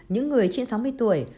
những người trên sáu mươi tuổi